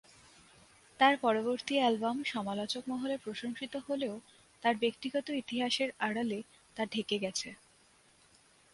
তার পরবর্তী অ্যালবাম সমালোচক মহলে প্রশংসিত হলেও তার ব্যক্তিগত ইতিহাসের আড়ালে তা ঢেকে গেছে।